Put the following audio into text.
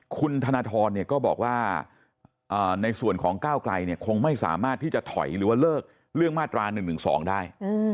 คุณธนทรก็บอกว่าในส่วนของก้าวไกลคงไม่สามารถที่จะถอยหรือว่าเลิกเรื่องมาตรา๑๑๒ได้